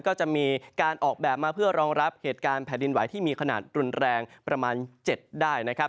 ก็จะมีการออกแบบมาเพื่อรองรับเหตุการณ์แผ่นดินไหวที่มีขนาดรุนแรงประมาณ๗ได้นะครับ